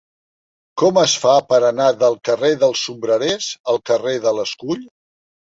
Com es fa per anar del carrer dels Sombrerers al carrer de l'Escull?